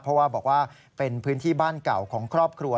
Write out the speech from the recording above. เพราะว่าบอกว่าเป็นพื้นที่บ้านเก่าของครอบครัว